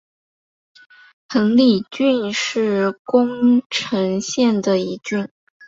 亘理郡是宫城县的一郡。